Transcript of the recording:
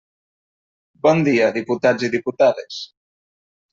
Bon dia, diputats i diputades.